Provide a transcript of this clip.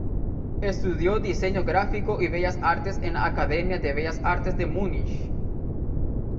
Estudió diseño gráfico y bellas artes en la Academia de Bellas Artes de Múnich.